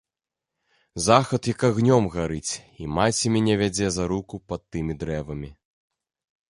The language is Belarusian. Захад як агнём гарыць, і маці мяне вядзе за руку пад тымі дрэвамі.